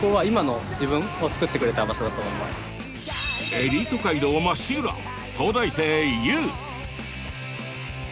エリート街道まっしぐら東大生ゆう。